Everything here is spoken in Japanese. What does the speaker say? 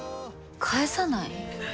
返さない？